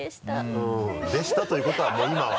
うん「でした」ということはもう今は。